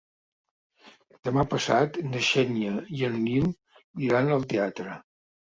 Demà passat na Xènia i en Nil iran al teatre.